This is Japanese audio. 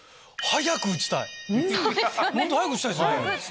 早く打ちたいです。